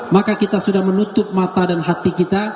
maka kita sudah menutup mata dan hati kita